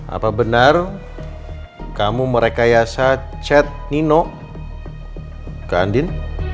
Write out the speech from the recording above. apa benar kamu merekayasa chat nino ke andin